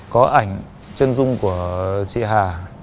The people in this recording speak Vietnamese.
có ảnh chân dung của chị hà